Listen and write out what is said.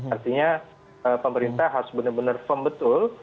artinya pemerintah harus benar benar firm betul